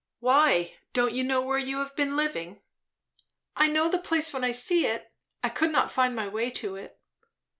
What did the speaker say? "Why, don't you know where you have been living?" "I know the place when I see it. I could not find my way to it."